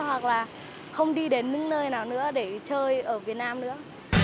hoặc là không đi đến những nơi nào nữa để chơi ở việt nam nữa